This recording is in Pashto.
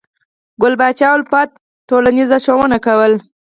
ګل پاچا الفت ټولنیزه ښوونه کوله.